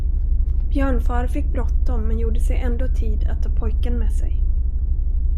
Björnfar fick bråttom, men gjorde sig ändå tid att ta pojken med sig.